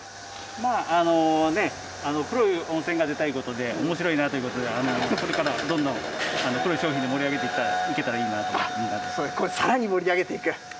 まあ、ねぇ、黒い温泉が出たいうことで、おもしろいなということで、これからどんどん黒い商品で盛り上げていけたらいいなと、さらに盛り上げていく？